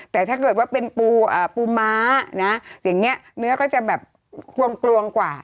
แต่ถ้าเกิดว่าเป็นปูม้านะอย่างนี้เนื้อก็จะแบบกวงกว่า